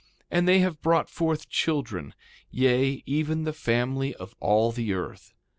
2:20 And they have brought forth children; yea, even the family of all the earth.